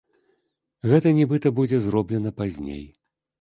Гэта нібыта будзе зроблена пазней.